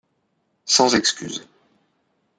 Sans excuses.